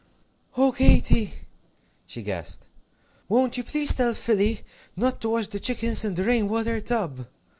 "Oh, Katy!" she gasped, "won't you please tell Philly not to wash the chickens in the rain water tub?